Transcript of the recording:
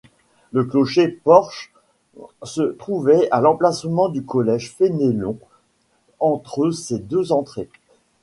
Le clocher-porche se trouvait à l’emplacement du collège Fénelon entre ses deux entrées.